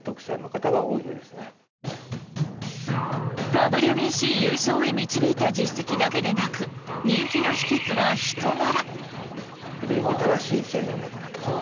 ＷＢＣ優勝へ導いた実績だけでなく人気の秘けつは人柄。